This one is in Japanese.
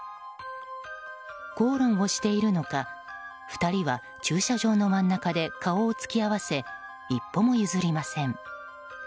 口論をしているのか２人は駐車場の真ん中で顔を突き合わせ一歩も譲りません。